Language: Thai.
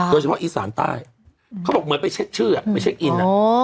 โดยเฉพาะอีสานใต้เขาบอกเหมือนไปเช็คชื่อไปเช็คอิน